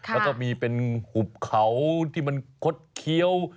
แล้วก็มีเป็นหุบเขาที่มันคดเคี้ยว